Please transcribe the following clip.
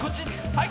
はい。